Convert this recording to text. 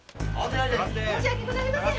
申し訳ございません！